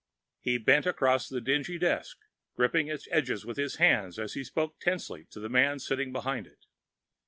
He bent across the dingy desk, gripping its edges with his hands as he spoke tensely to the man sitting behind it.